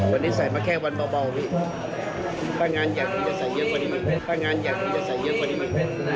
วันนี้ใส่มาแค่วันเบาพี่พ่างานอยากมีจะใส่เยอะกว่านี้